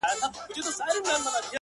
درته به وايي ستا د ښاريې سندري _